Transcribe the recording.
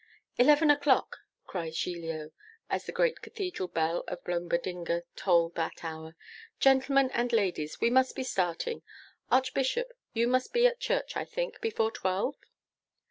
'Eleven o'clock!' cries Giglio, as the great Cathedral bell of Blombodinga tolled that hour. 'Gentlemen and ladies, we must be starting. Archbishop, you must be at church, I think, before twelve?